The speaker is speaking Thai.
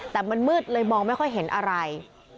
แต่มันมืดเลยมองไม่ค่อยเห็นอะไร